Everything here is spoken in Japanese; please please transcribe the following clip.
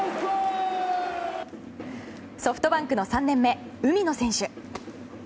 ソフトバンクの３年目海野選手。